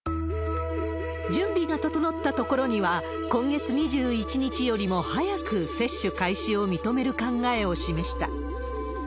準備が整った所には、今月２１日よりも早く接種開始を認める考えを示した。